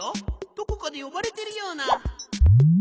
どこかでよばれてるような。